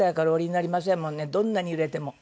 どんなに揺れても。